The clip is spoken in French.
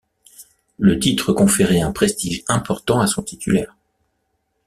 Le titre conférait un prestige important à son titulaire.